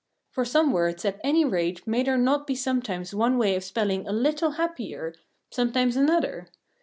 For some words at anyrate may there not be sometimes one way of spelling a little happier, sometimes another?